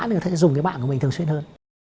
thì người ta sẽ dùng cái mạng của mình thường xuyên hơn